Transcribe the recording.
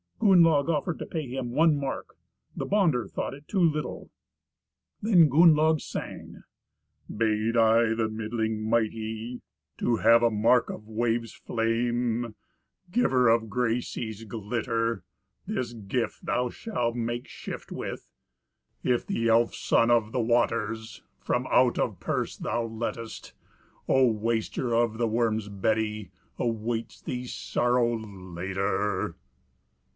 Gunnlaug offered to pay him one mark. The bonder thought it too little. Then Gunnlaug sang, "Bade I the middling mighty To have a mark of waves' flame; Giver of grey seas? glitter, This gift shalt thou make shift with. If the elf sun of the waters From out of purse thou lettest, O waster of the worm's bedy Awaits thee sorrow later."